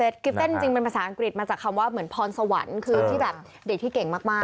คลิปเต้นจริงเป็นภาษาอังกฤษมาจากคำว่าเหมือนพรสวรรค์คือที่แบบเด็กที่เก่งมาก